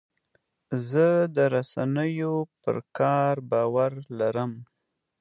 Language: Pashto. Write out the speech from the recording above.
زه د رسنیو پر کار باور لرم.